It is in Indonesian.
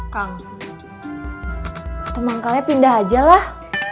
kang temanku pindah aja lah